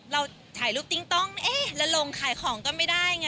เราถ่ายรูปติ้งต้องเอ๊ะแล้วลงขายของก็ไม่ได้ไง